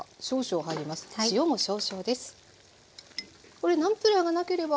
これナムプラーがなければ。